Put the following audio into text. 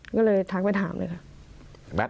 ก็เลยทักไปถามเลยค่ะ